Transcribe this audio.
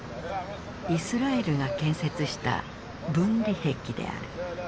イスラエルが建設した分離壁である。